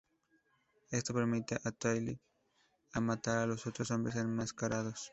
Esto permite a Talley a matar a los otros hombres enmascarados.